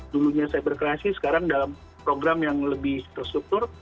dulunya cyberkreasi sekarang dalam program yang lebih terstruktur